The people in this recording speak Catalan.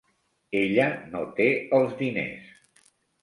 Ella no té els diners.